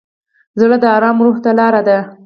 زړه د ارام روح ته لاره ده.